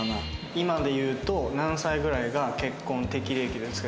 今でいうと何歳ぐらいが結婚適齢期ですか？